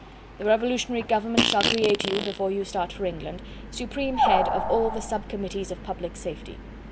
The Revolutionary Government shall create you, before you start for England, Supreme Head of all the Sub Committees of Public Safety.